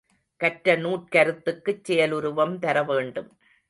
கற்ற நூற்கருத்துக்குச் செயலுருவம் தரவேண்டும்.